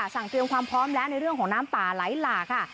เตรียมความพร้อมแล้วในเรื่องของน้ำป่าไหลหลากค่ะ